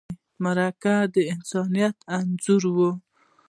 مرکه دې د انسانیت انځور وي.